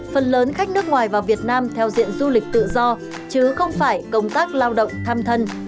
phần lớn khách nước ngoài vào việt nam theo diện du lịch tự do chứ không phải công tác lao động thăm thân